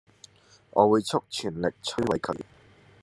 我會出全力摧毀佢